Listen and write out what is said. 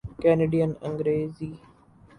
Canadian Angrezi